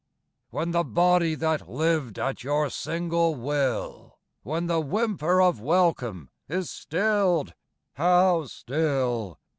When the body that lived at your single will When the whimper of welcome is stilled (how still!)